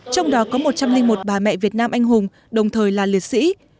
trong đó có một trăm linh một bà mẹ việt nam anh hùng đồng thời là liệt sĩ